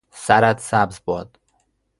سرت سبز باد